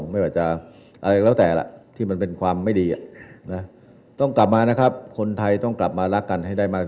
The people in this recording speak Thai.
ไม่ว่าจะอะไรก็แล้วแต่ล่ะที่มันเป็นความไม่ดีต้องกลับมานะครับคนไทยต้องกลับมารักกันให้ได้มาก